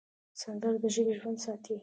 سندره د ژبې ژوند ساتي